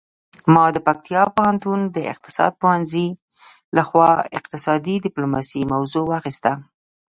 ما د پکتیا پوهنتون د اقتصاد پوهنځي لخوا اقتصادي ډیپلوماسي موضوع واخیسته